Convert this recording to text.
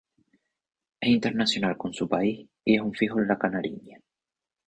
Es internacional con su país y es un fijo en la canarinha.